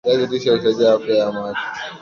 viazi lishe husaidia afya ya macho